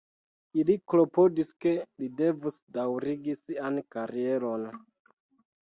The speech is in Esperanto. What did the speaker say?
Ili klopodis ke li devus daŭrigi sian karieron.